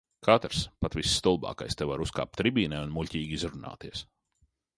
Katrs, pat visstulbākais, te var uzkāpt tribīnē un muļķīgi izrunāties.